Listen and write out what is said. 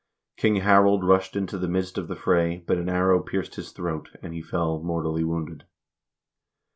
King Harald rushed into the midst of the fray, but an arrow pierced his throat, and he fell mortally wounded.